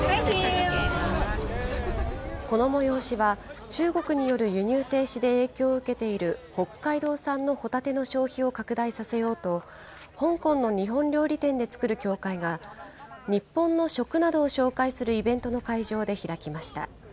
この催しは、中国による輸入停止で影響を受けている、北海道産のホタテの消費を拡大させようと、香港の日本料理店で作る協会が、日本の食などを紹介するイベントの会場で開きました。